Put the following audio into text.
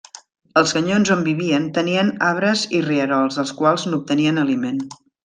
Els canyons on vivien tenien arbres i rierols, dels quals n'obtenien aliment.